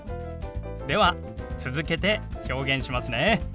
では続けて表現しますね。